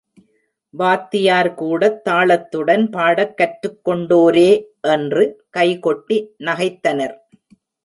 வாத்தியார்கூடத் தாளத்துடன் பாடக் கற்றுக்கொண்டோரே! என்று கைகொட்டி நகைத்தனர்!